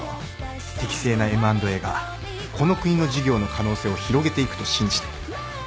適正なＭ＆Ａがこの国の事業の可能性を広げていくと信じて。